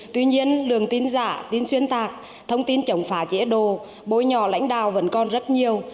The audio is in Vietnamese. tuy nhiên lường tin giả tin xuyên tạc thông tin chống phá dễ đồ bối nhỏ lãnh đạo vẫn còn rất nhiều